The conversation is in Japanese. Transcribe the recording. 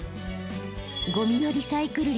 ゴミのリサイクル率